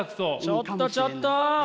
ちょっとちょっと！